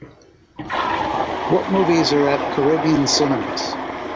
What movies are at Caribbean Cinemas